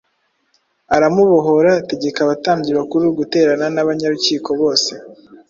aramubohora, ategeka abatambyi bakuru guterana n’abanyarukiko bose,